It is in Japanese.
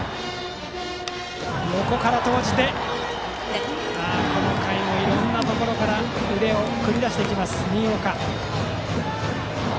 横から投じてこの回もいろいろなところから腕を繰り出してくる新岡。